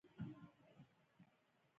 د قوناق کوتل دایکنډي او بامیان نښلوي